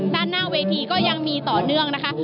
ด้านหน้าเวทีก็ยังมีต่อเนื่องนะคะ